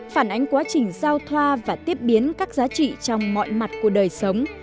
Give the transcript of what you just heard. phản ánh quá trình giao thoa và tiếp biến các giá trị trong mọi mặt của đời sống